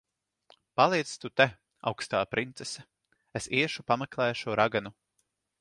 Paliec tu te, augstā princese. Es iešu pameklēšu raganu.